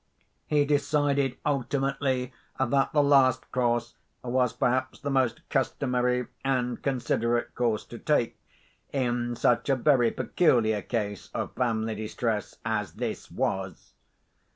He decided ultimately that the last course was perhaps the most customary and considerate course to take, in such a very peculiar case of family distress as this was.